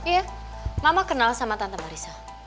iya mama kenal sama tante marissa